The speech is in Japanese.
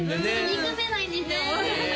憎めないんですよねえ